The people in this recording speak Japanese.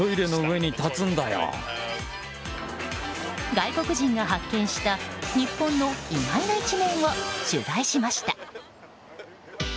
外国人が発見した日本の意外な一面を取材しました。